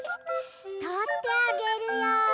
とってあげるよ。